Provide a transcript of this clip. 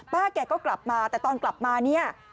แกก็กลับมาแต่ตอนกลับมาเนี่ย